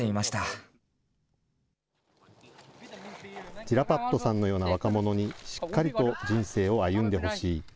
ジラパットさんのような若者に、しっかりと人生を歩んでほしい。